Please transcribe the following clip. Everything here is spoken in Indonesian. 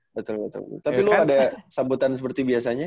betul betul tapi lo ada sambutan seperti biasanya